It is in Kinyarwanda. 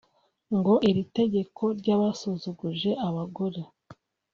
ngo iri tegeko ryabasuzuguje abagore